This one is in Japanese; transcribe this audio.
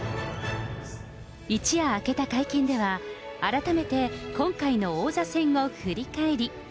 一夜明けた会見では、改めて今回の王座戦を振り返り。